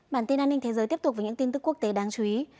bản tin an ninh thế giới tiếp tục với những tin tức quốc tế đáng chú ý